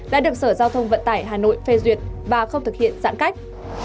đã được sở giao thông vận tải hà nội phê duyệt và không thực hiện giãn cách